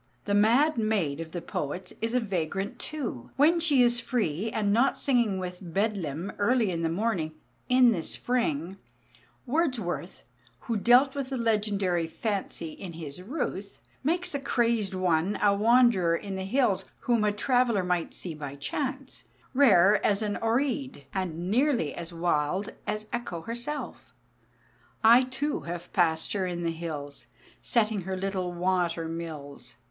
The mad maid of the poets is a vagrant too, when she is free, and not singing within Bedlam early in the morning, "in the spring." Wordsworth, who dealt with the legendary fancy in his "Ruth," makes the crazed one a wanderer in the hills whom a traveller might see by chance, rare as an Oread, and nearly as wild as Echo herself: I too have passed her in the hills Setting her little water mills.